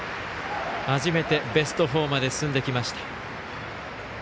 初めてベスト４まで進んできました。